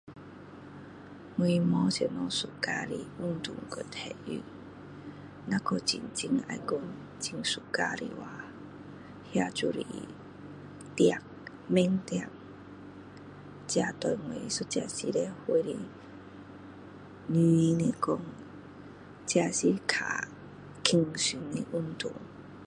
我没什么喜欢的运动和体育若讲真真要讲很喜欢的话那就是跑慢跑这对我一个四十岁的女士来讲这是较轻松的运动